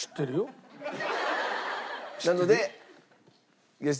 なので。